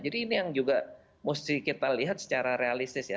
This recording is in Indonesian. jadi ini yang juga mesti kita lihat secara realistis ya